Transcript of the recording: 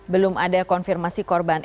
belum ada konfirmasi korban